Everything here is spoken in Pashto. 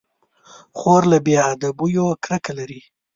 خور له بې ادبيو کرکه لري.